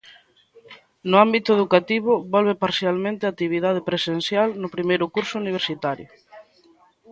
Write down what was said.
No ámbito educativo volve parcialmente a actividade presencial no primeiro curso universitario.